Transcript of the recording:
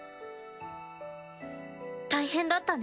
大変だったね。